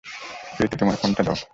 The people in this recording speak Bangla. প্রীতি তোমার ফোনটা দাও!